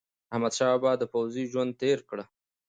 احمدشاه د پوځي ژوند تېر کړ.